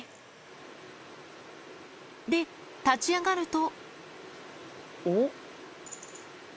で、立ち上がると。